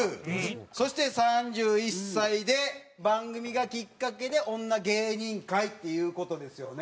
そして３１歳で番組がきっかけで女芸人会っていう事ですよね。